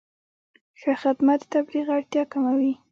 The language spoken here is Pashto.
ښه خدمت د تبلیغ اړتیا کموي.